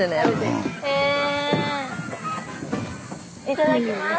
いただきます。